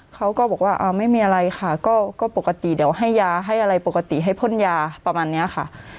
เขาก็บอกว่าไม่มีอะไรค่ะก็ปกติเดี๋ยวให้ยาให้อะไรปกติให้พ่นยาประมาณนี้ค่ะ